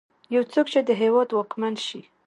يو څوک چې د هېواد واکمن شي.